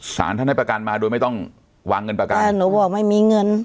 สารท่านให้ประกันมาโดยไม่ต้องวางเงินประกันเออหนูบอกไม่มีเงิน